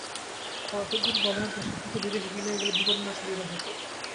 ফরাসউদ্দিন বলেন, পোশাক খাতে বিদেশি বিনিয়োগ এলে বিপণনে সুবিধা হতো।